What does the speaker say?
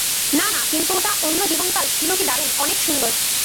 না না, কিন্তু ওটা অন্য জীবনকাল ছিল কি দারুন, অনেক সুন্দর।